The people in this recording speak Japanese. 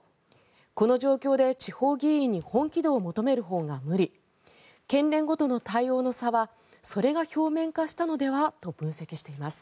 この状況で地方議員に本気度を求めるほうが無理県連ごとの対応の差はそれが表面化したのではと分析しています。